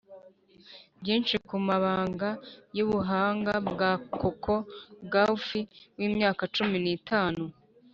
Byinshi ku mabanga y’ubuhanga bwa coco gauff w’imyaka cumi n’itanu